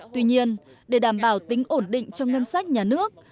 tuy nhiên để đảm bảo tính ổn định cho ngân sách nhà nước